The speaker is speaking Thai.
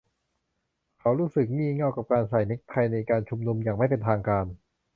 เขารู้สึกงี่เง่ากับการใส่เน็คไทในการชุมนุมอย่างไม่เป็นทางการ